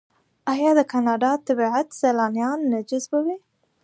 آیا د کاناډا طبیعت سیلانیان نه جذبوي؟